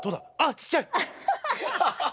ちっちゃい。